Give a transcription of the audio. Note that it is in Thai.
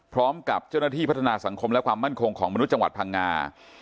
พร้อมกับเจ้าหน้าที่พัฒนาสังคมและความมั่นคงของมนุษย์จังหวัดพังงา